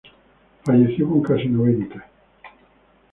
Falleció con casi noventa.